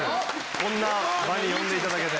こんな場に呼んでいただけて。